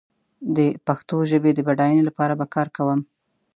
د پښتو ژبې د بډايينې لپاره به کار کوم